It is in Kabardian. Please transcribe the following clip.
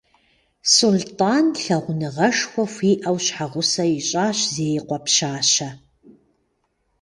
Сулътӏан лъагъуныгъэшхуэ хуиӏэу щхьэгъусэ ищӏащ Зеикъуэ пщащэ.